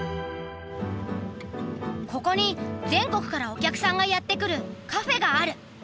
ここに全国からお客さんがやって来るカフェがある。